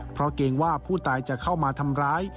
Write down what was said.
เพราะเกรงว่าผู้ตายจะเข้ามาทำร้าย